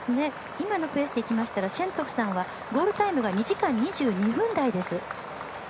今のペースでいきますとシェントゥフさんはゴールタイムが２時間２２分台です。